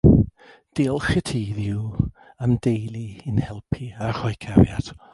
Diolch i ti Dduw am deulu i'n helpu a rhoi cariad